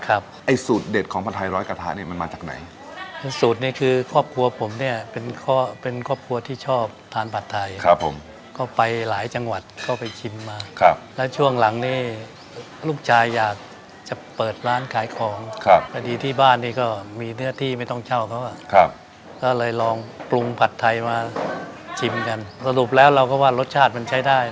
ไอ้สูตรเด็ดของผัดไทยร้อยกระทะนี่มันมาจากไหนสูตรนี้คือครอบครัวผมเนี่ยเป็นข้อเป็นครอบครัวที่ชอบทานผัดไทยครับผมก็ไปหลายจังหวัดก็ไปชิมมาครับแล้วช่วงหลังนี้ลูกชายอยากจะเปิดร้านขายของครับพอดีที่บ้านนี่ก็มีเนื้อที่ไม่ต้องเช่าเขาอ่ะครับก็เลยลองปรุงผัดไทยมาชิมกันสรุปแล้วเราก็ว่ารสชาติมันใช้ได้